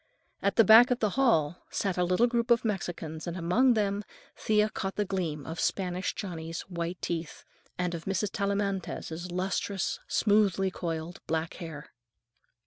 At the back of the hall sat a little group of Mexicans, and among them Thea caught the gleam of Spanish Johnny's white teeth, and of Mrs. Tellamantez's lustrous, smoothly coiled black hair.